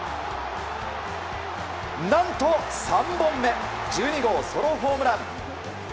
何と３本目１２号、ソロホームラン。